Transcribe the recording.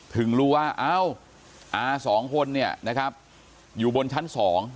ถึงรู้ว่าเอ้าอาสองคนเนี่ยนะครับอยู่บนชั้น๒